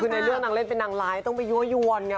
คือในเรื่องนางเล่นเป็นนางร้ายต้องไปยั่วยวนไง